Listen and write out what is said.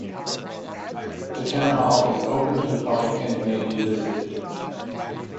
The Town Hall is open to the public and may be visited.